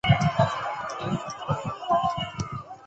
要维持生活开销不容易